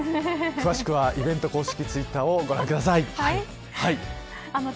詳しくはイベント公式ツイッターをご覧ください。